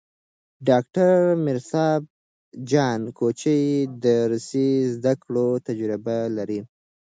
ډاکټر میر صاب جان کوچي د روسي زدکړو تجربه لري.